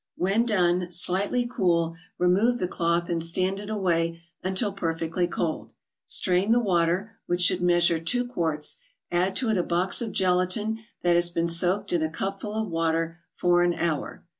When done, slightly cool, remove the cloth, and stand it away until perfectly cold. Strain the water, which should measure two quarts; add to it a box of gelatin that has been soaked in a cupful of water for an hour.